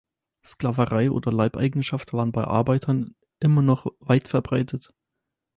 Sklaverei oder Leibeigenschaft waren bei Arbeitern immer noch weit verbreitet.